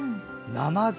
なまず？